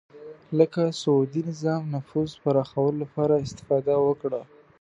لکه سعودي نظام نفوذ پراخولو لپاره استفاده وکړه